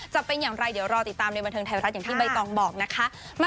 จะเป็นอย่างไรเดี๋ยวรอติดตามในบันเทิงไทยรัฐอย่างที่ใบตองบอกนะคะ